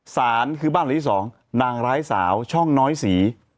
สารคือบ้านหลังที่๒นางร้ายสาวช่องน้อยสี